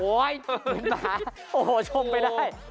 โอ๊ยคุณหมาโอ้โฮชมไปได้